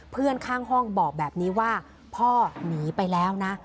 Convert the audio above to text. เพื่อนข้างห้องบอกแบบนี้ว่าพ่อหนีไปแล้วนะ